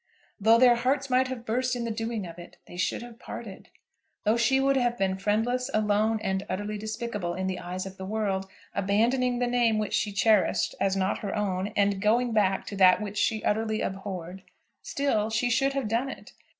Though their hearts might have burst in the doing of it, they should have parted. Though she would have been friendless, alone, and utterly despicable in the eyes of the world, abandoning the name which she cherished, as not her own, and going back to that which she utterly abhorred, still she should have done it.